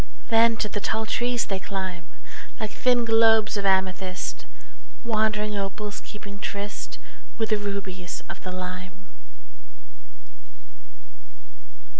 Then to the tall trees they climb, Like thin globes of amethyst, Wandering opals keeping tryst With the rubies of the lime.